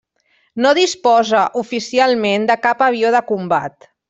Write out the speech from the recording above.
No disposa, oficialment, de cap avió de combat.